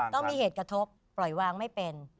ต้องมีเหตุกระทบปล่อยวางไม่เป็น